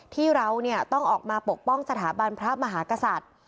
ที่เราต้องออกมาปกป้องสถาบันพระมหากษัตริย์